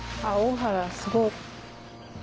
あっ大原すごい。